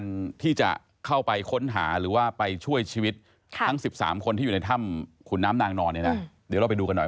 นี่แหละครับทุกผู้ชมก็ต้องให้กำลังใจกับเจ้าหน้าที่